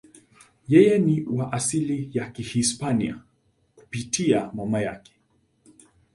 Yeye ni wa asili ya Kihispania kupitia mama yake.